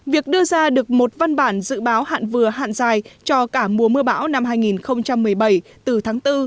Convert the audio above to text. việc đưa ra được một văn bản dự báo hạn vừa hạn dài cho cả mùa mưa bão năm hai nghìn một mươi bảy từ tháng bốn